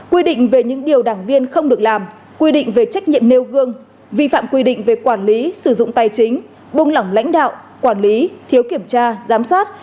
quy định về những điều đảng viên không được làm quy định về trách nhiệm nêu gương vi phạm quy định về quản lý sử dụng tài chính buông lỏng lãnh đạo quản lý thiếu kiểm tra giám sát